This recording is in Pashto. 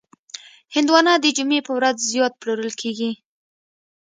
هندوانه د جمعې په ورځ زیات پلورل کېږي.